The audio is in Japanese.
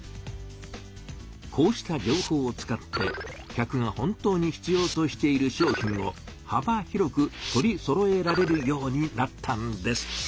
こうした情報を使って客が本当に必要としている商品をはば広く取りそろえられるようになったんです。